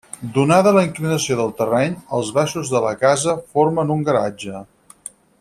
Donada la inclinació del terreny, els baixos de la casa formen un garatge.